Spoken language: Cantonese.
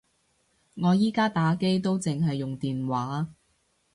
我而家打機都剩係用電話